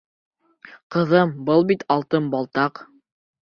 — Ҡыҙым, был бит алтын балдаҡ.